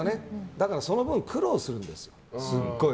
だからその分苦労するんですよ、すごい。